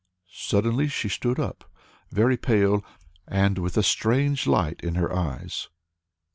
Suddenly she stood up, very pale, and with a strange light in her eyes.